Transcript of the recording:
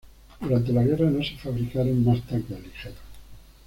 Durante la guerra no se fabricaron más tanques ligeros.